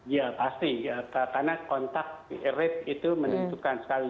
ya pasti karena kontak rate itu menentukan sekali